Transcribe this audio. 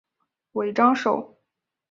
尾张守。